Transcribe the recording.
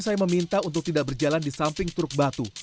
saya meminta untuk tidak berjalan di samping truk batu